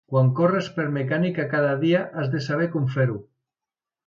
Quan corres per mecànica cada dia, has de saber com fer-ho.